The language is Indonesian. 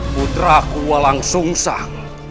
putraku walang sung sang